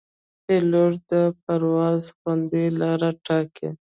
پیلوټ د پرواز خوندي لاره ټاکي.